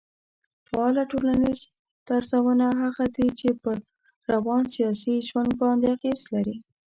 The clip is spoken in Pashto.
فعاله ټولنيز درځونه هغه دي چي پر روان سياسي ژوند باندي اغېز لري